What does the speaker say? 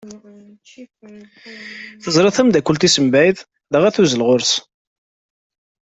Teẓra tameddakelt-is mebɛid dɣa tuzzel ɣer-s.